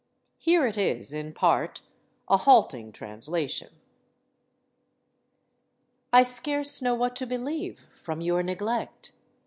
Here it is, in part a halting translation: I scarce know what to believe, from your neglect.